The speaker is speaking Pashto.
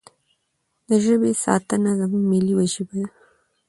د ژبې ساتنه زموږ ملي وجیبه ده.